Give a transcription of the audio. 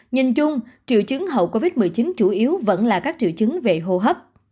nhìn chung triệu chứng hậu covid một mươi chín chủ yếu vẫn là các triệu chứng về hô hấp